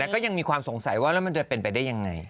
ก็ยังมีความสงสัยว่าแล้วมันจะเป็นไปได้ยังไง